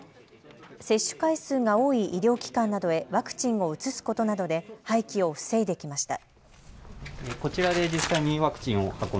接種回数が多い医療機関などへワクチンを移すことなどで廃棄を防いできました。